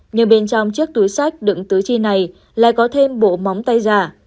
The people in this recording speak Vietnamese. nhưng bên trong chiếc túi sách đựng tứ chi này lại có thêm bộ móng tay giả